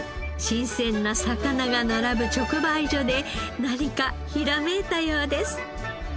新鮮な魚が並ぶ直売所で何かひらめいたようです。